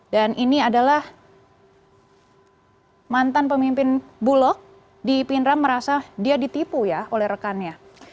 dan ini adalah mantan pemimpin bulog di pindrang merasa dia ditipu oleh rekannya